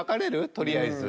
とりあえず。